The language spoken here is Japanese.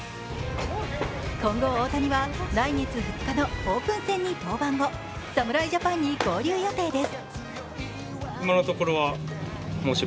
今後、大谷は来月２日のオープン戦に登板後侍ジャパンに合流予定です。